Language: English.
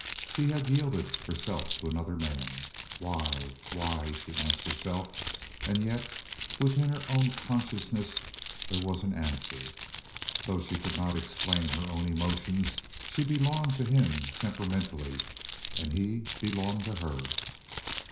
She had yielded herself to another man. Why? Why? she asked herself, and yet within her own consciousness there was an answer. Though she could not explain her own emotions, she belonged to him temperamentally and he belonged to her.